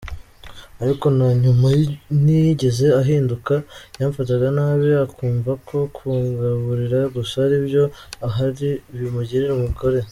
Ariko na nyuma ntiyigeze ahinduka, yamfataga nabi akumvako kungaburira gusa aribyo ahari bimugira umugore.